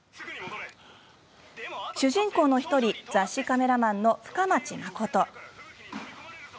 主人公の１人雑誌カメラマンの深町誠。